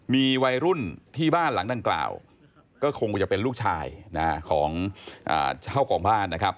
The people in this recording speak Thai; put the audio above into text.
มีวัยรุ่นที่บ้านหลังดังกล่าวก็คงจะเป็นลูกชายของเจ้าของบ้านนะครับ